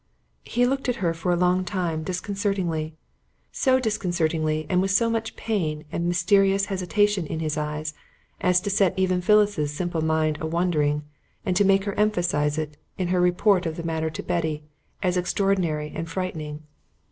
He looked at her for a long time disconcertingly: so disconcertingly and with so much pain and mysterious hesitation in his eyes as to set even Phyllis's simple mind a wondering and to make her emphasize it, in her report of the matter to Betty, as extraordinary and frightening.